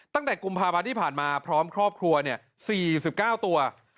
ตั้งแต่กุมภาพันธ์ที่ผ่านมาพร้อมครอบครัว๔๙ตัว